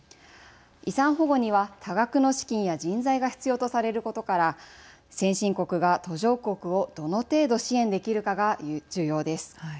遺産保護には多額の資金や人材が必要とされることから先進国が途上国をどの程度支援できるかが重要です。